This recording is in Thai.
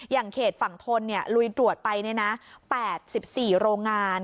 อย่างเขตฝั่งทนลุยตรวจไป๘๔โรงงาน